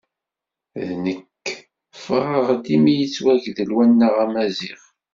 "Nekk, ffɣeɣ-d imi yettwagdel wannay amaziɣ."